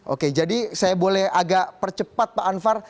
oke jadi saya boleh agak percepat pak anwar